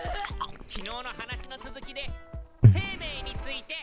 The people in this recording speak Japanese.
きのうの話の続きで生命について。